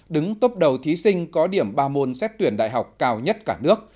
đứng tốp đầu thí sinh có điểm ba môn xét tuyển đại học cao nhất cả nước